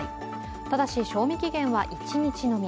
ただし、賞味期限は１日のみ。